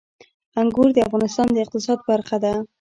انګور د افغانستان د اقتصاد برخه ده.